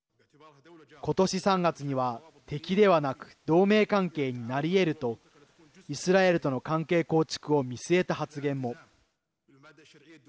ことし３月には敵ではなく同盟関係になりえるとイスラエルとの関係構築を見据えた発言も。